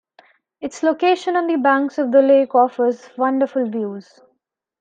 Its location on the banks of the lake offers wonderful views.